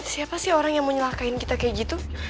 siapa sih orang yang mau nyalakain kita kayak gitu